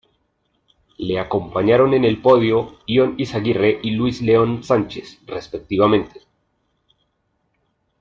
Le acompañaron en el podio Ion Izagirre y Luis León Sánchez, respectivamente.